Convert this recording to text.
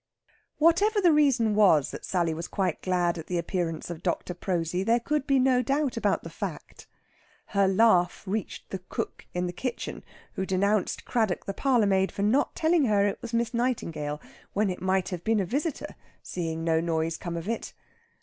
Whatever the reason was that Sally was quite glad at the appearance of Dr. Prosy, there could be no doubt about the fact. Her laugh reached the cook in the kitchen, who denounced Craddock the parlourmaid for not telling her it was Miss Nightingale, when it might have been a visitor, seeing no noise come of it.